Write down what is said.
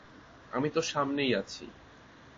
আমি তোর সামনেই আছি!